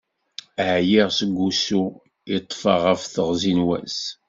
Ԑyiɣ seg usu i ṭṭfeɣ ɣef teɣzi n wass.